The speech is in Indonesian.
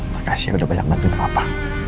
makasih udah banyak ngebantuin papa